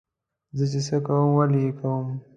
زه چې څه کوم ولې یې کوم.